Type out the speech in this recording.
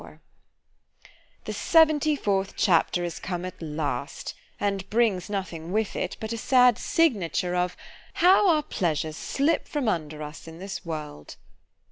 LXXIV THE seventy fourth chapter is come at last; and brings nothing with it but a sad signature of "How our pleasures slip from under us in this world!"